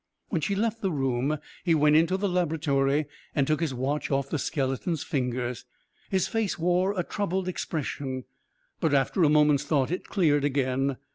When she left the room he went into the laboratory and took his watch off the skeleton's fingers. His face wore a troubled expression, but after a moment's thought it cleared again.